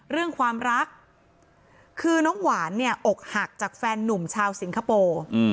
เรื่องความรักคือน้องหวานเนี่ยอกหักจากแฟนนุ่มชาวสิงคโปร์